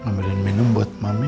mami ada minum buat mami